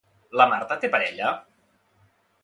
La Marta té parella?